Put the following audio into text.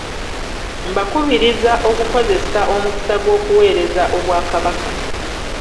Mbakubiriza okukozesa omukisa gw’okuweereza Obwakabaka.